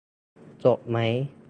จบไหม ?